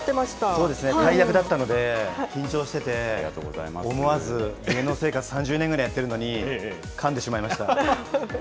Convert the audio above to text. そうですね、大役だったので、緊張してて、思わず、芸能生活３０年ぐらいやってるのにかんでしまいました。